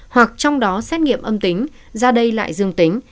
hoặc trong đó xét nghiệm âm tính ra đây lại dương tính